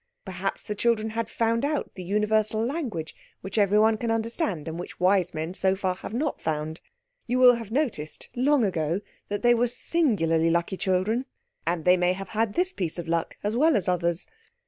Perhaps the children had found out the universal language which everyone can understand, and which wise men so far have not found. You will have noticed long ago that they were singularly lucky children, and they may have had this piece of luck as well as others.